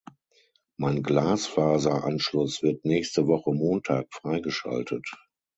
Mein Glasfaser-Anschluss wird nächste Woche Montag freigeschaltet.